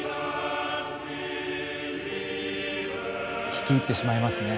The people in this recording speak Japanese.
聴き入ってしまいますね。